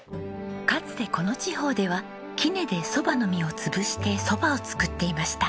かつてこの地方では杵で蕎麦の実を潰して蕎麦を作っていました。